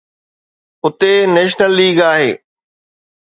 اتي national league آهي.